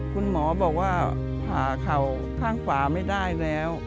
คุณหมอบอกว่าผ่าเข่าข้างขวาไม่ได้แล้ว